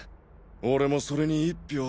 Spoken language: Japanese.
俺もそれに１票。